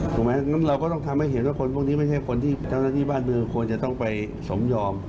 งั้นเราก็ต้องทำให้เห็นว่าคนพวกนี้ไม่ใช่คนที่เจ้าหน้าที่บ้านเมืองควรจะต้องไปสมยอม